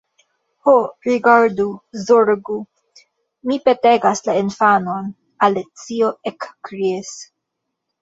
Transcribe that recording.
"Ho, rigardu, zorgu, mi petegas la infanon!" Alicio ekkriis.